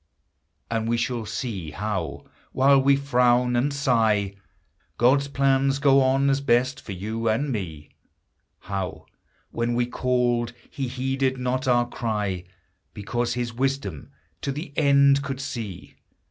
And we shall see how, while we frown and sigh, > God's plans go on as best for you and me; How, when we called, he heeded not our cry, Because his wisdom to the end could see.